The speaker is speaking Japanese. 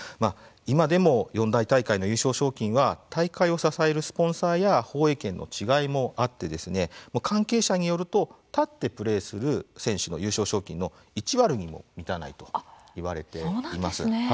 今でも、四大大会の優勝賞金は大会を支えるスポンサーや放映権の違いもあって関係者によると立ってプレーする選手の優勝賞金の１割にも満たないといわれています。